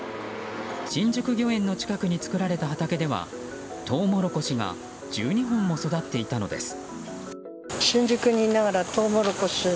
新宿御苑の近くに作られた畑にはトウモロコシが１２本も育っていたのです。